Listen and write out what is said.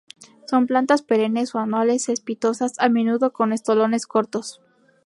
Son plantas perennes o anuales cespitosas, a menudo con estolones cortos.